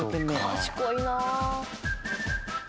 賢いなあ！